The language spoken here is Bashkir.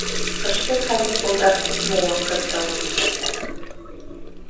Ҡышҡы каникулдар күпме ваҡыт дауам итәсәк?